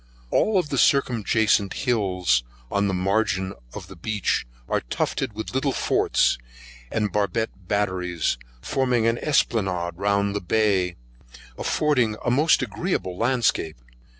All the circumjacent hills on the margin of the beach are tufted with little forts, and barbett batteries, forming an Esplanade round the bay, affords a most agreeable landscape.